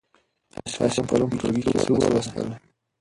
تاسې پرون په ټولګي کې څه ولوستل؟